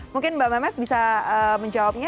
mungkin mbak memes bisa menjawabnya